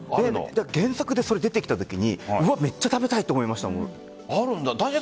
原作でそれ、出てきたときにめっちゃ食べたいと思いました。